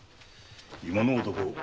今の男